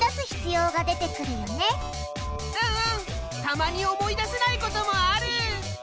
たまに思い出せないこともある。